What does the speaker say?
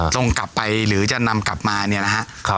ตรงกลับไปหรือจะนำกลับมาเนี่ยนะฮะ